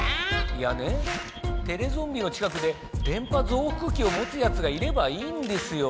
いやねテレゾンビの近くで電波ぞうふくきをもつヤツがいればいいんですよ。